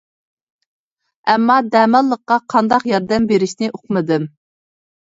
ئەمما دەماللىققا قانداق ياردەم بېرىشنى ئۇقمىدىم.